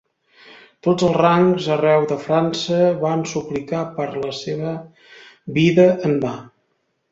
Tots els rangs arreu de França van suplicar per la seva vida en va.